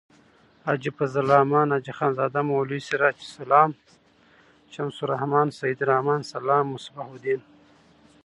حاجی فضل الرحمن. حاجی خانزاده. مولوی سراج السلام. شمس الرحمن. سعیدالرحمن.سلام.مصباح الدین